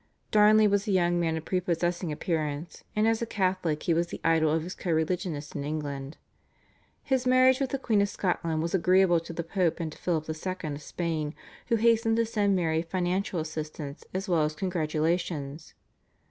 Darnley was a young man of prepossessing appearance, and as a Catholic he was the idol of his co religionists in England. His marriage with the Queen of Scotland was agreeable to the Pope and to Philip II. of Spain, who hastened to send Mary financial assistance as well as congratulations.